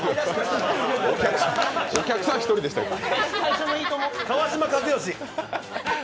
お客さん、１人でしたけど。